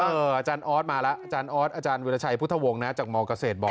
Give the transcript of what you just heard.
อาจารย์ออสมาแล้วอาจารย์ออสอาจารย์วิราชัยพุทธวงศ์นะจากมเกษตรบอก